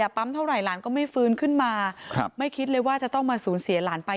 ปั๊มเท่าไหร่หลานก็ไม่ฟื้นขึ้นมาไม่คิดเลยว่าจะต้องมาสูญเสียหลานไป